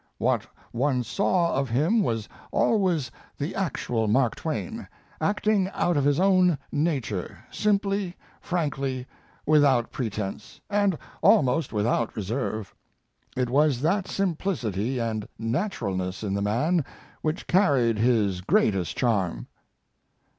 What one saw of him was always the actual Mark Twain, acting out of his own nature simply, frankly, without pretense, and almost without reserve. It was that simplicity and naturalness in the man which carried his greatest charm."